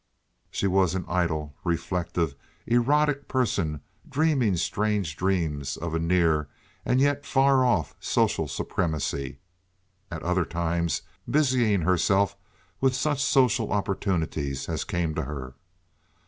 She was an idle, reflective, erotic person dreaming strange dreams of a near and yet far off social supremacy, at other times busying herself with such social opportunities as came to her.